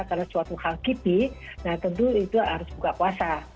karena suatu hal kipik tentu itu harus buka puasa